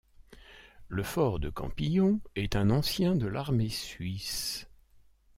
Le fort de Champillon est un ancien de l'Armée suisse.